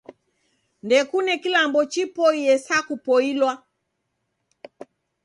Ndekune kilambo chipoiye sa kupoilwa.